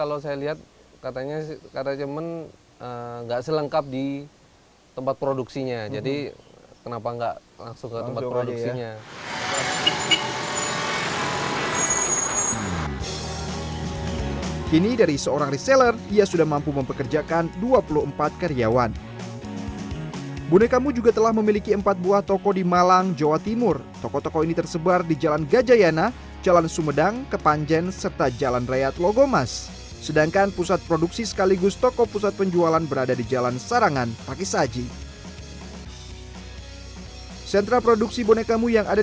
antar personal baginya hal ini penting untuk terus meningkatkan performa para karyawannya